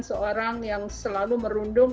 seorang yang selalu merundung